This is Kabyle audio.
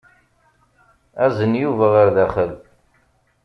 Azen Yuba ɣer daxel.